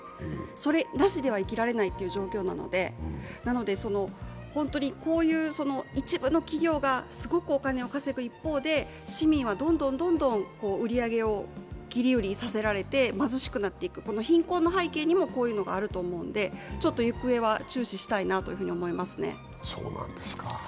それなしでは生きられない状況なのでなので本当にこういう一部の企業がすごくお金を稼ぐ一方で、市民はどんどん売り上げを切り売りさせられて貧しくなっていく、貧困の背景にもこういうのがあると思うので、行方は注視したいなと思いますね。